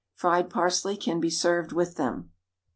Fried parsley can be served with them.